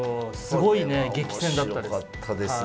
すごいね激戦だったです。